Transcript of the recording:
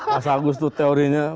mas agus itu teorinya